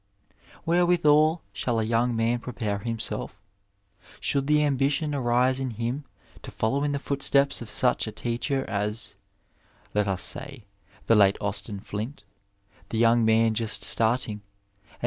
Wherewithal shaU a young man prepare himself, should the ambition arise in him to follow in the footsteps of such a teacher as, let us say, the late Austin Flint — ^the young 140 Digitized by Google INTERNAI.